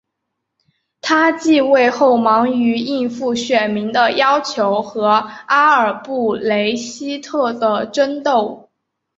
他即位后忙于应付选民的要求和阿尔布雷希特的争斗。